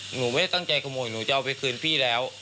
หนูไม่ได้ตั้งใจขโมยหนูจะเอาไปคืนพี่แล้ว